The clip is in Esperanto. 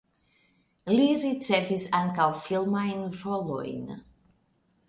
Li ricevis ankaŭ filmajn rolojn.